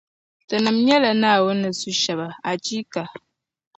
Tinim’ nyɛla Naawuni ni su shɛba, achiika!